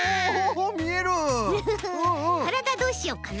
からだどうしよっかな。